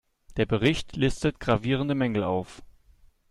Der Bericht listet gravierende Mängel auf.